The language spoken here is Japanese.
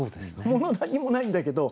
物は何にもないんだけど。